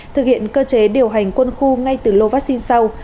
thực hiện cơ chế điều hành quân khu ngay từ lô vaccine sau